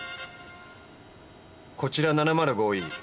こちら７０５Ｅ。